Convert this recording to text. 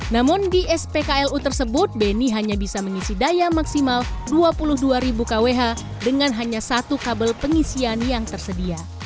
namun di spklu tersebut beni hanya bisa mengisi daya maksimal dua puluh dua kwh dengan hanya satu kabel pengisian yang tersedia